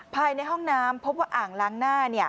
ภายในห้องน้ำพบว่าอ่างล้างหน้า